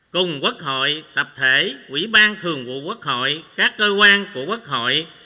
cùng quốc hội tập thể quỹ ban thường vụ quốc hội các cơ quan của quốc hội